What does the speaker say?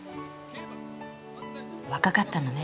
若かったのね。